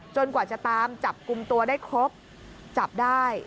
กว่าจะตามจับกลุ่มตัวได้ครบจับได้